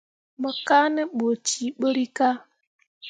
Mo kaa ne ɓu cee ɓǝrrikah.